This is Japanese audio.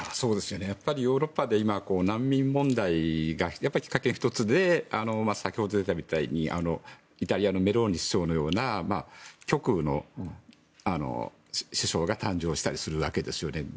やっぱりヨーロッパで難民問題がきっかけの１つで先ほど出たみたいにイタリアのメローニ首相のような極右の首相が誕生したりするわけですよね。